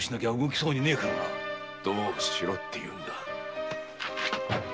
どうしろってんだ。